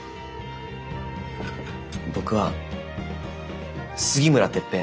僕は杉村徹平。